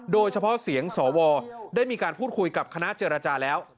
โดยเฉพาะเสียงสวได้มีการพูดคุยกับคณะเจรจาแล้ว